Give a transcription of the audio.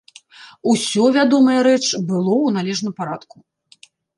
Усё, вядомая рэч, было ў належным парадку.